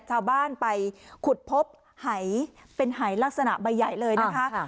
ชาวบ้านไปขุดพบหายเป็นหายลักษณะใบใหญ่เลยนะคะ